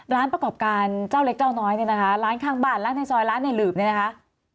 ร้านประกอบการเจ้าเล็กเจ้าน้อยเนี่ยนะคะร้านข้างบ้านร้านในซอยร้านในหืบเนี่ยนะคะ